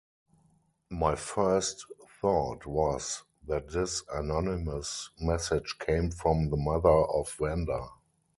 My first thought was that this anonymous message came from the mother of Wanda.